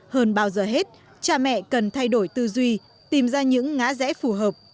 hơn bao giờ hết cha mẹ cần thay đổi tư duy tìm ra những ngã rẽ phù hợp